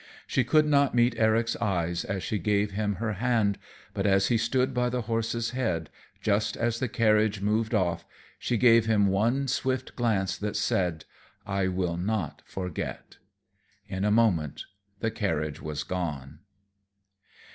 She could not meet Eric's eyes as she gave him her hand, but as he stood by the horse's head, just as the carriage moved off, she gave him one swift glance that said, "I will not forget." In a moment the carriage was gone.